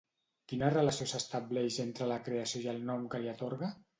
Quina relació s'estableix entre la creació i el nom que li atorga?